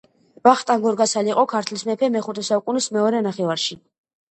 ვახტანგ გორგასალი იყო ქართლის მეფე მეხუთე საუკუნის მეორე ნახევარში